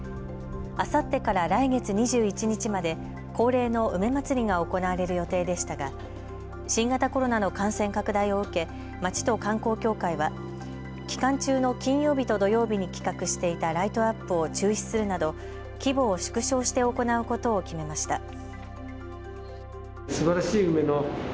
あさってから来月２１日まで恒例の梅まつりが行われる予定でしたが新型コロナの感染拡大を受け町と観光協会は期間中の金曜日と土曜日に企画していたライトアップを中止するなど規模を縮小して行うことを決めました。